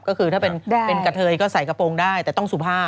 ก็คือถ้าเป็นกะเทยก็ใส่กระโปรงได้แต่ต้องสุภาพ